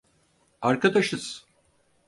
Arkadaşız.